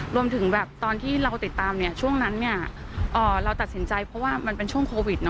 รวมถึงแบบตอนที่เราติดตามเนี่ยช่วงนั้นเราตัดสินใจเพราะว่ามันเป็นช่วงโควิด